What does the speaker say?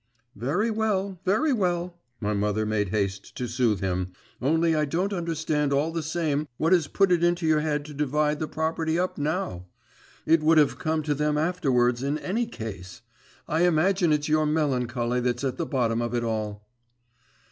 'Very well, very well,' my mother made haste to soothe him; 'only I don't understand all the same what has put it into your head to divide the property up now. It would have come to them afterwards, in any case. I imagine it's your melancholy that's at the bottom of it all.